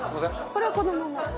これはこのまま。